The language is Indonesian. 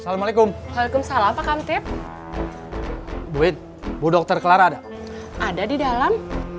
assalamualaikum waalaikumsalam pak kantip bu wid bu dokter clara ada di dalam